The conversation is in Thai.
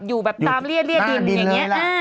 อยู่แบบตามเรียดินอย่างนี้